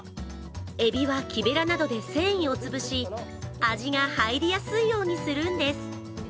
エビは木べらなどで繊維を潰し味が入りやすいようにするんです。